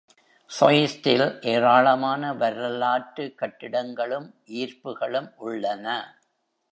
Soest இல் ஏராளமான வரலாற்று கட்டிடங்களும் ஈர்ப்புகளும் உள்ளன.